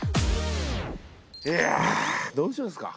いやぁどうしますか？